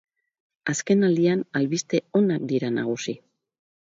Azken aldian albiste onak dira nagusi.